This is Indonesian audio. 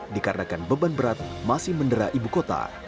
dikarenakan beban berat masih mendera ibu kota